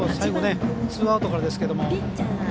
ツーアウトからですけど。